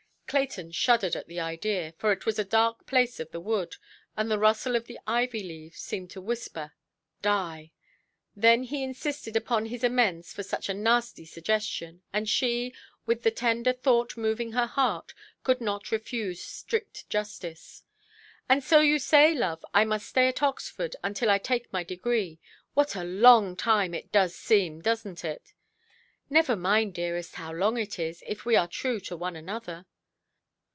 Clayton shuddered at the idea, for it was a dark place of the wood, and the rustle of the ivy–leaves seemed to whisper "die". Then he insisted upon his amends for such a nasty suggestion; and she, with the tender thought moving her heart, could not refuse strict justice. "And so you say, love, I must stay at Oxford until I take my degree. What a long time it does seem! Doesnʼt it"? "Never mind, dearest, how long it is, if we are true to one another".